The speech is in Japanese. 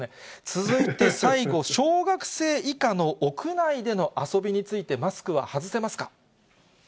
続いて最後、小学生以下の屋内での遊びについて、マスクは外せますか？